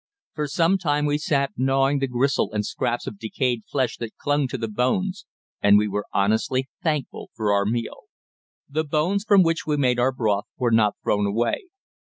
For some time we sat gnawing the gristle and scraps of decayed flesh that clung to the bones, and we were honestly thankful for our meal. The bones from which we made our broth were not thrown away.